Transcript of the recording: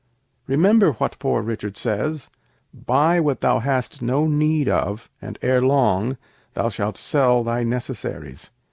Remember what Poor Richard says: 'Buy what thou hast no need of, and ere long thou shalt sell thy necessaries.'